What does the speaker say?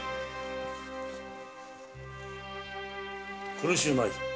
苦しゅうないぞ。